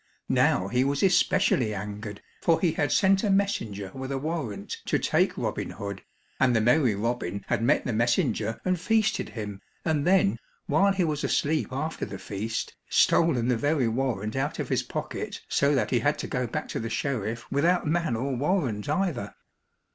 Now he was especially angered, for he had sent a messenger with a warrant to take Robin Hood and the merry Robin had met the messenger and feasted him, and then, while he was asleep after the feast, stolen the very warrant out of his pocket so that he had to go back to the sheriff without man or warrant either.